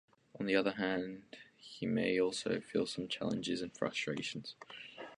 On the other hand, he may also feel some challenges and frustrations.